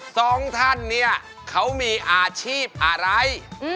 สองท่านเขามีอาชีพอะไร